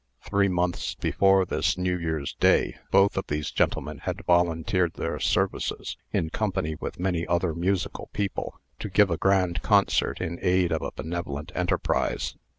Three months before this New Year's day, both of these gentlemen had volunteered their services, in company with many other musical people, to give a grand concert in aid of a benevolent enterprise.